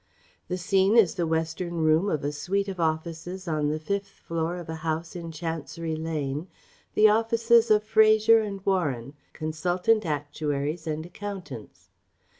The scene is the western room of a suite of offices on the fifth floor of a house in Chancery Lane, the offices of Fraser and Warren, Consultant Actuaries and Accountants.